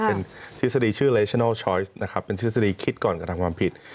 เป็นทฤษฎีชื่อเลชนัลชอยสนะครับเป็นทฤษฎีคิดก่อนกระทำความผิด